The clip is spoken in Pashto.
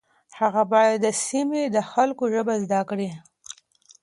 هغه باید د سیمې د خلکو ژبه زده کړي.